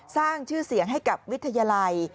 สร้างชื่อเสียงให้กับวิทยาลัย